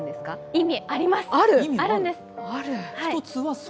意味あります。